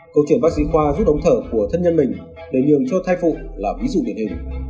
câu chuyện bác sĩ khoa rút ống thở của thân nhân mình để nhường cho thai phụ là ví dụ điển hình